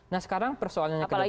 nah sekarang persoalannya kedepan